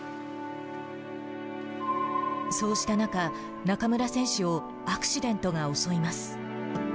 そうした中、中村選手をアクシデントが襲います。